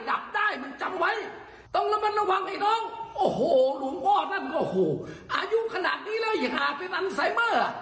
อายุขนาดนี้เลยค่ะเป็นอันไซเมอร์